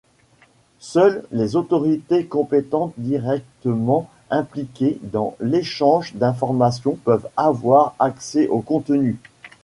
Seules les autorités compétentes directement impliquées dans l’échange d’informations peuvent avoir accès au contenu.